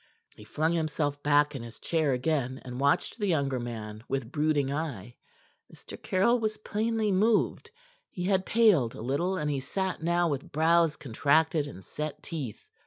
He flung himself back in his chair again, and watched the younger man with brooding eye. Mr. Caryll was plainly moved. He had paled a little, and he sat now with brows contracted and set teeth.